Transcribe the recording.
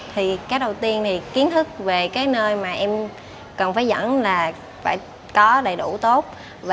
thì cái đầu tiên thì kiến thức về cái nơi mà em cần phải dẫn là phải có đầy đủ tốt